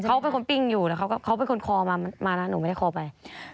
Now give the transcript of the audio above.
เขาเป็นคนปิ้งอยู่แล้วเขาเป็นคนคอมาแล้วหนูไม่ได้คอไป